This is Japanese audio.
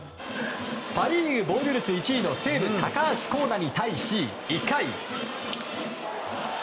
パ・リーグ防御率１位の西武、高橋光成に対し１回。